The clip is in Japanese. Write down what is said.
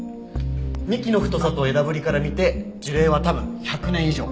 幹の太さと枝ぶりから見て樹齢は多分１００年以上。